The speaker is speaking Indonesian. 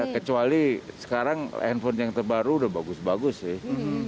kecuali sekarang handphone yang terbaru udah bagus bagus sih